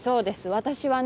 私はね